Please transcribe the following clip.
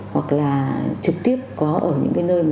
hoặc là trực tiếp có ở những nơi